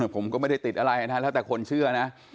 ผมก็ไม่ได้ติดอะไรนะแล้วแต่คนเชื่อนะ